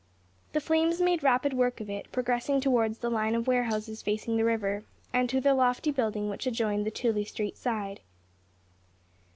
The flames made rapid work of it, progressing towards the line of warehouses facing the river, and to the lofty building which adjoined on the Tooley Street side.